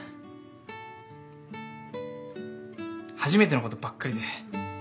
初めてのことばっかりで。